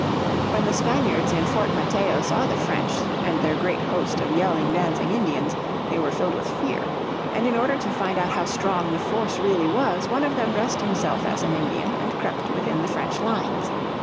When the Spaniards in Fort Mateo saw the French and their great host of yelling, dancing Indians they were filled with fear. And in order to find out how strong the force really was one of them dressed himself as an Indian and crept within the French lines.